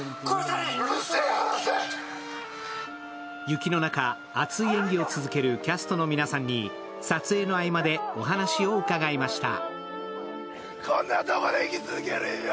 雪の中、熱い演技を続けるキャストの皆さんに撮影の合間でお話を伺いました。